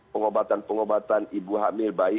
pengobatan pengobatan ibu hamil bayi